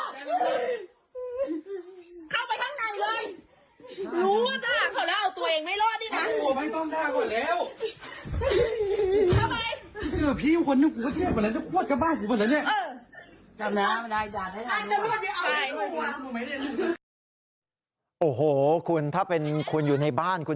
ผมได้จัดการน้ำน้ำดัสกรรม